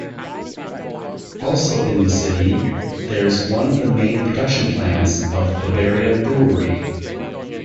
Also in the city, there's one of the main production plants of Bavaria Brewery.